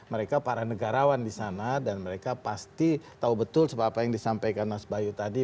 mereka para negarawan di sana dan mereka pasti tahu betul sebab apa yang disampaikan mas bayu tadi